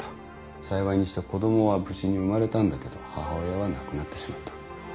幸いにして子供は無事に生まれたんだけど母親は亡くなってしまった。